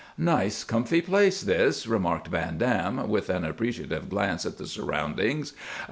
"Nice, comfy place, this," remarked Van Dam, with an appreciative glance at the surroundings.